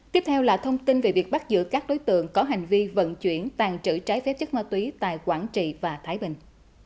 tiếp theo là thông tin về việc bắt giữ các đối tượng có hành vi vận chuyển tàn trữ trái phép chất ma túy tại quảng trị và thái bình